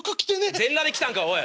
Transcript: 全裸で来たんかおい。